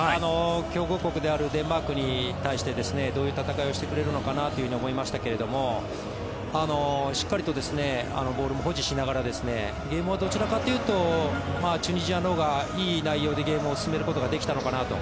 強豪国であるデンマークに対してどういう戦いをしてくれるのかなと思いましたけどしっかりとボールも保持しながらゲームを、どちらかというとチュニジアのほうがいい内容でゲームを進めることができたのかなと。